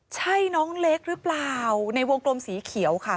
ใช่น้องเล็กหรือเปล่าในวงกลมสีเขียวค่ะ